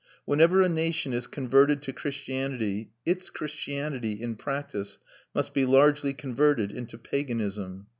Whenever a nation is converted to Christianity, its Christianity, in practice, must be largely converted into paganism.